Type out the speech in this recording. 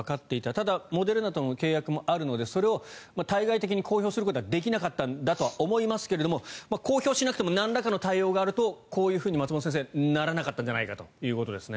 ただ、モデルナとの契約もあるのでそれを対外的に公表することはできなかったんだとは思いますが公表しなくてもなんらかの対応があるとこういうふうに松本先生ならなかったんじゃないかということですね。